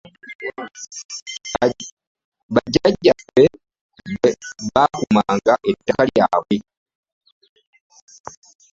Bajjaja ffe bakuumanga ettaka lyabwe.